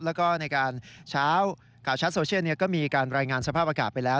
แล้วก็ในการเช้าข่าวชัดโซเชียลก็มีการรายงานสภาพอากาศไปแล้ว